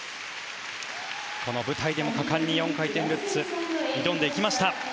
この舞台でも果敢に４回転ルッツ挑んでいきました。